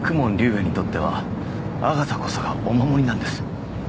炎にとってはアガサこそがお守りなんです